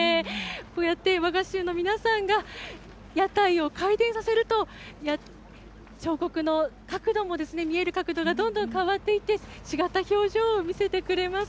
こうやって若衆の皆さんが屋台を回転させると、彫刻の角度も見える角度がどんどん変わっていって、違った表情を見せてくれます。